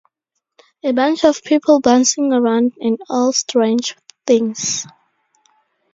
A bunch of people bouncing around and all strange things.